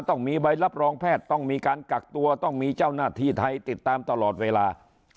ต้องมีใบรับรองแพทย์ต้องมีการกักตัวต้องมีเจ้าหน้าที่ไทยติดตามตลอดเวลา